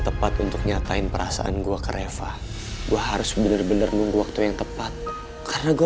tepat untuk nyatain perasaan gua ke refah gue harus bener bener nunggu waktu yang tepat karena gue